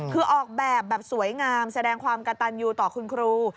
คือออกแบบแบบสวยงามแสดงความกระตันยูต่อคุณครู